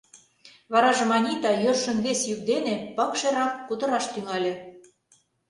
Варажым Анита йӧршын вес йӱк дене пыкшерак кутыраш тӱҥале: